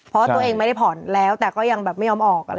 เพราะตัวเองไม่ได้ผ่อนแล้วแต่ก็ยังแบบไม่ยอมออกอะไร